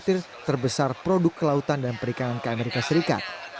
petir terbesar produk kelautan dan perikanan ke amerika serikat